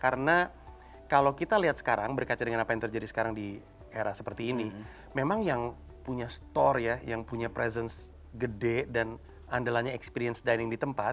karena kalau kita lihat sekarang berkaca dengan apa yang terjadi sekarang di era seperti ini memang yang punya store ya yang punya presence gede dan andalanya experience dining di tempat